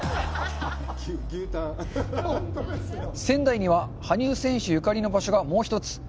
仙台には羽生選手ゆかりの場所がもう一つ。